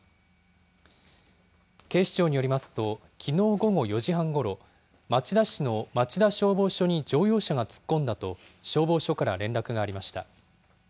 警視庁によりますと、きのう午後４時半ごろ、町田市の町田消防署に乗用車が突っ込んだと消防署から連絡がありました。